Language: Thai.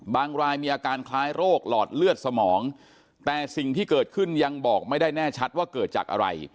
รายมีอาการคล้ายโรคหลอดเลือดสมองแต่สิ่งที่เกิดขึ้นยังบอกไม่ได้แน่ชัดว่าเกิดจากอะไร